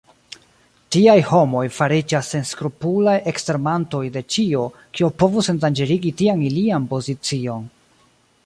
Tiaj homoj fariĝas senskrupulaj ekstermantoj de ĉio, kio povus endanĝerigi tian ilian pozicion.